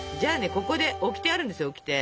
ここでオキテあるんですよオキテ。